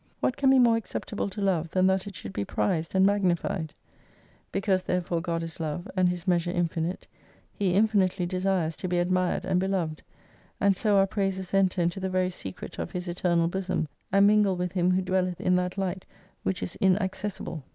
What can be more acceptable to love than that it should be prized and magnified ? Because therefore God is love, and His measure infinite, He infinitely desires to be admired and beloved, and so our praises enter into the very secret of His Eternal Bosom, and mingle with Him who dwelleth in that light which is inaccessible.